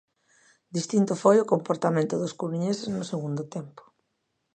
Distinto foi o comportamento dos coruñeses no segundo tempo.